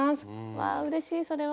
わあうれしいそれは。